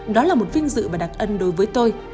đó là một vinh dự và đặc ân đối với tôi